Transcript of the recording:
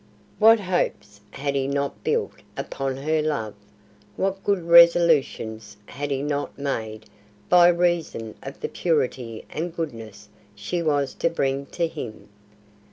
What hopes had he not built upon her love; what good resolutions had he not made by reason of the purity and goodness she was to bring to him?